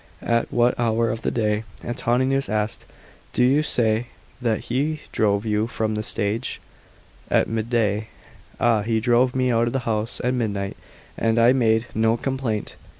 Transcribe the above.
"At what hour of the day," Antoninus asktd, "do you say that he drove you from the stage ?"" At mMday." " Ah ! he drove me out of his house at midnight, and I made no complHint."